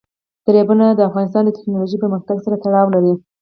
دریابونه د افغانستان د تکنالوژۍ پرمختګ سره تړاو لري.